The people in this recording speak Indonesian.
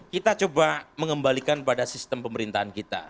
kita coba mengembalikan pada sistem pemerintahan kita